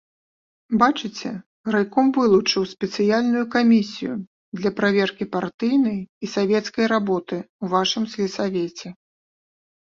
Бачыце, райком вылучыў спецыяльную камісію для праверкі партыйнай і савецкай работы ў вашым сельсавеце.